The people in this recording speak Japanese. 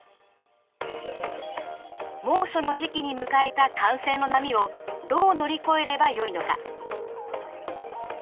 猛暑の時期に迎えた感染の波をどう乗りこえればよいのか？